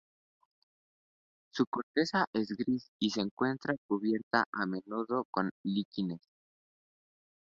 Su corteza es gris y se encuentra cubierta a menudo con líquenes.